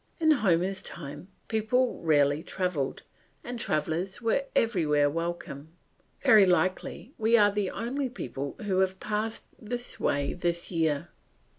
In Homer's time, people rarely travelled, and travellers were everywhere welcome. Very likely we are the only people who have passed this way this year."